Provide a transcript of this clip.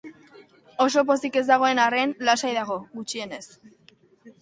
Oso pozik ez dagoen arren, lasai dago, gutxienez.